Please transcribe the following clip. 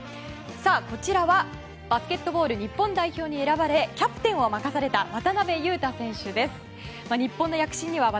こちらはバスケットボールの日本代表に選ばれキャプテンを任された渡邊雄大選手です。